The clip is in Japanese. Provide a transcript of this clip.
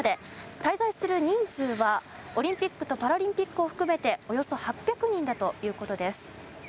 滞在する人数はオリンピックとパラリンピックを含めておよそ８００人だということです。